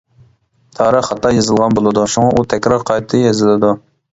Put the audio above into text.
تارىخ خاتا يېزىلغان بولىدۇ، شۇڭا ئۇ تەكرار قايتا يېزىلىدۇ.